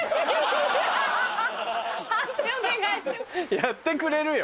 「やってくれるよ」？